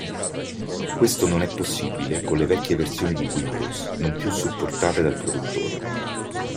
Questo non è possibile con le vecchie versioni di Windows, non più supportate dal produttore.